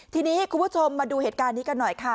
ทีนี้คุณผู้ชมมาดูเหตุการณ์นี้กันหน่อยค่ะ